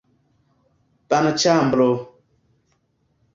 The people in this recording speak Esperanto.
banĉambro